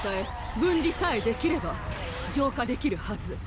分離さえできれば浄化できるはず